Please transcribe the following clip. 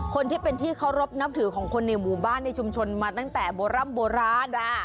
คนที่เป็นที่เคารพนับถือของคนในหมู่บ้านในชุมชนมาตั้งแต่โบร่ำโบราณ